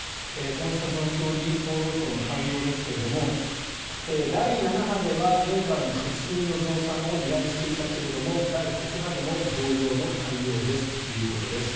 こうした状況に厚労省の対応ですが第７波ではメーカーに薬の増産を依頼していたけれども第８波でも同様の対応ですということです。